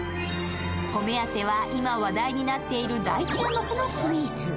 お目当ては今話題になっている大注目のスイーツ。